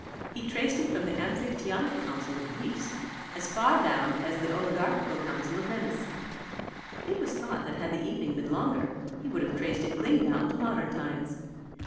He traced it from the Amphictionic Council of Greece as far down as the Oligarchical Council of Venice; it was thought that had the evening been longer he would have traced it clean down to modern times.